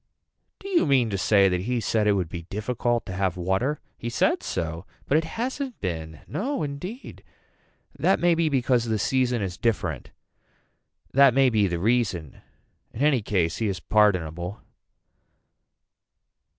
Do you mean to say that he said it would be difficult to have water. He said so. But it hasn't been No indeed. That may be because the season is different. That may be the reason. In any case he is pardonable.